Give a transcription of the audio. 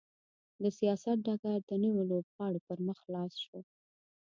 د سیاست ډګر د نویو لوبغاړو پر مخ خلاص شو.